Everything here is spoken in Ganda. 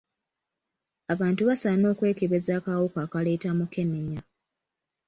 Abantu basaana okwekebeza akawuka akaleeta mukenenya.